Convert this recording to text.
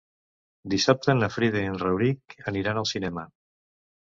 Dissabte na Frida i en Rauric aniran al cinema.